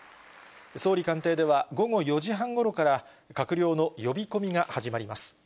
総理官邸では午後４時半ごろから、閣僚の呼び込みが始まります。